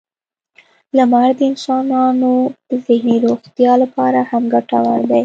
• لمر د انسانانو د ذهني روغتیا لپاره هم ګټور دی.